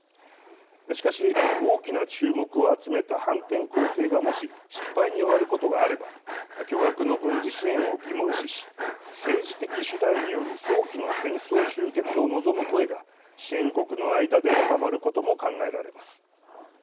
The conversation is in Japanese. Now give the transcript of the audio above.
しかし大きな注目を集めた反転攻勢がもし失敗に終わることがあれば巨額の軍事支援を疑問視し政治的手段による早期の戦争終結を望む声が支援国の間で高まることも考えられます。